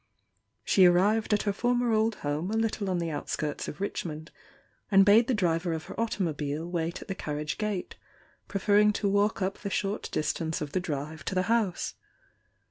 She arrived at her former old home a little on the outskirts of Richmond, and bade the driver of her automobile wait at the carriage gate, preferring to walk up the short distance of the drive to the house.